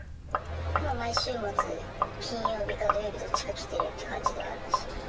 毎週末、金曜日か土曜日、どっちか来てるっていう感じではありましたね。